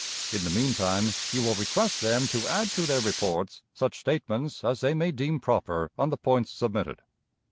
In the mean time you will request them to add to their reports such statements as they may deem proper on the points submitted.